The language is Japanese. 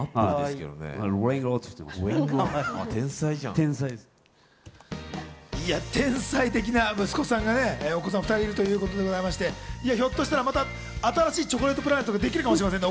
天才的な息子さんが、お２人いらっしゃるということで、ひょっとしたら新しいチョコレートプラネットができるかもしれませんね。